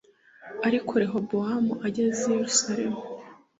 Ariko Rehobowamu ageze i Yerusalemu